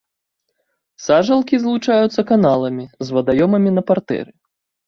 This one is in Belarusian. Сажалкі злучаюцца каналамі з вадаёмамі на партэры.